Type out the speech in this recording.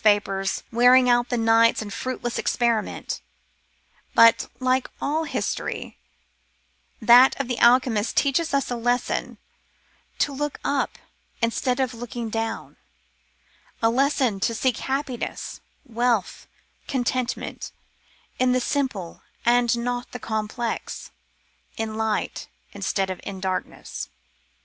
298 The Philosopher's Stone nights in fruitless experiment ; but, like all history, that of the alchemists teaches us a lesson — to look up instead of looking down — a lesson to seek happi ness, wealth, contentment, in the simple and not the complex, in light instead of in darkness.